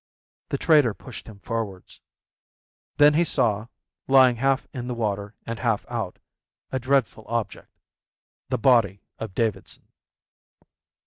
The trader pushed him forwards. Then he saw, lying half in the water and half out, a dreadful object, the body of Davidson.